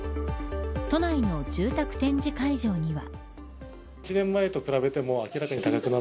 都内の住宅展示会場には。